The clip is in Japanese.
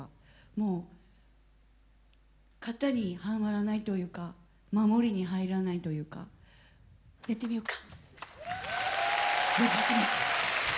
もう型にはまらないというか守りに入らないというかやってみようか。